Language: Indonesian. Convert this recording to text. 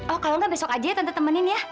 oh kalau enggak besok aja ya tante temenin ya